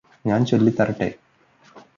ഞാന് ചൊല്ലിത്തരട്ടെ